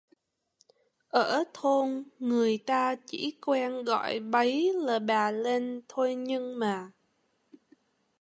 Ở thôn người ta chỉ quen gọi bấy là bà len thôi Nhưng mà